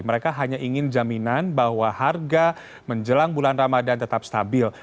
mereka hanya ingin jaminan bahwa harga menjelang bulan ramadan tetap stabil